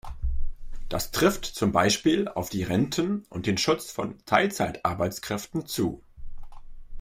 Das trifft zum Beispiel auf die Renten und den Schutz von Teilzeitarbeitskräften zu.